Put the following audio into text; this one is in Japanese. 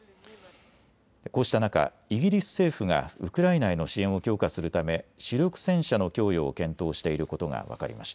こうした中、イギリス政府がウクライナへの支援を強化するため、主力戦車の供与を検討していることが分かりました。